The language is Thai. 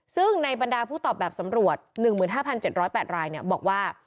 ซึ่งในบรรดาผู้ตอบแบบสำรวจ๑๕๗๐๘รายบอกว่า